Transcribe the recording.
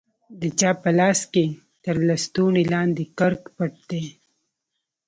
د چا په لاس کښې تر لستوڼي لاندې کرک پټ دى.